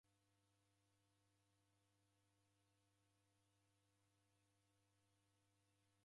Gheko mengi gheghesha ediandagha kwa w'uchagizi.